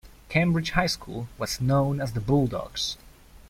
Cambridge High School was known as the Bulldogs.